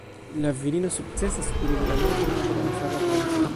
La virino sukcesas purigi la nomon de la vagabondo.